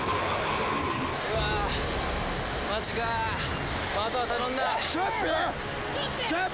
うわマジかあとは頼んだしょっぴー